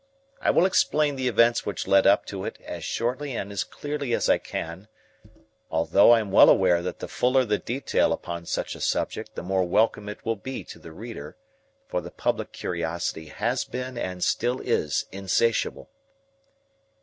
I will explain the events which led up to it as shortly and as clearly as I can, though I am well aware that the fuller the detail upon such a subject the more welcome it will be to the reader, for the public curiosity has been and still is insatiable.